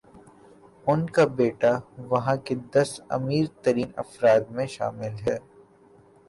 ان کا بیٹا وہاں کے دس امیرترین افراد میں شامل ہے۔